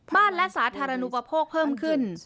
และสาธารณูปโภคเพิ่มขึ้น